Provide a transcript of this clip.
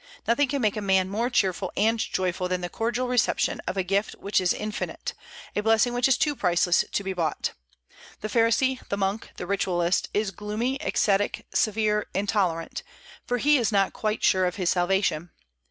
Nothing can make a man more cheerful and joyful than the cordial reception of a gift which is infinite, a blessing which is too priceless to be bought. The pharisee, the monk, the ritualist, is gloomy, ascetic, severe, intolerant; for he is not quite sure of his salvation.